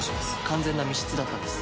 完全な密室だったんです。